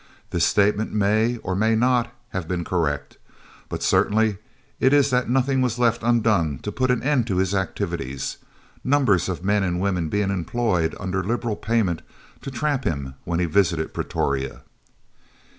This statement may, or may not, have been correct, but certain it is that nothing was left undone to put an end to his activities, numbers of men and women being employed, under liberal payment, to trap him when he visited Pretoria.